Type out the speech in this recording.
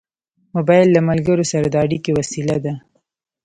موبایل له ملګرو سره د اړیکې وسیله ده.